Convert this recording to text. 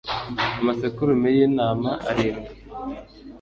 amasekurume y'intama arindwi